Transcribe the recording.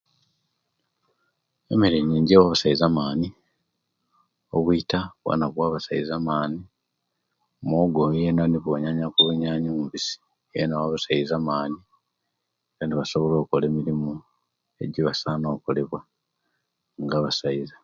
Emere nyingi ewa omasaiza amani obwita bwona buwa abasaiza amani, muwogo Ono yena ogubayanya ku buyanyi omubisi awa abasaiza amani Kale nibasobola okola emirimu ejibasana okola nga abasaiza